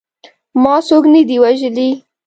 ما څوک نه دي وژلي.